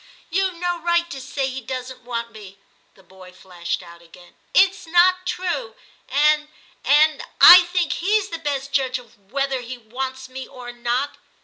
* You've no right to say he doesn't want me,' the boy flashed out again ;' it's not true ; and — and — I think he's the best judge of whether he wants me or not.'